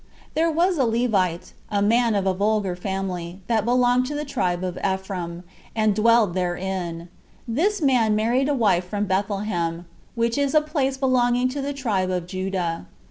There was a Levite 12 a man of a vulgar family, that belonged to the tribe of Ephraim, and dwelt therein: this man married a wife from Bethlehem, which is a place belonging to the tribe of Judah.